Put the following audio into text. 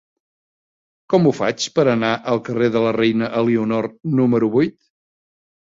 Com ho faig per anar al carrer de la Reina Elionor número vuit?